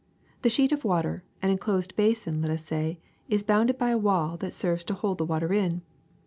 The sheet of water, an enclosed basin let us say, is bounded by a wall that serves to hold the water in.